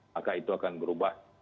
maka itu akan berubah